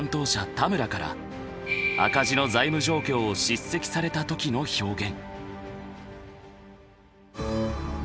田村から赤字の財務状況を叱責された時の表現。